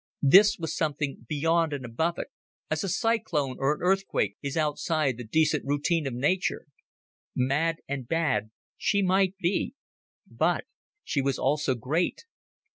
This was something beyond and above it, as a cyclone or an earthquake is outside the decent routine of nature. Mad and bad she might be, but she was also great.